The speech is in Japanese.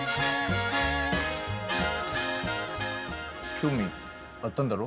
興味あったんだろ？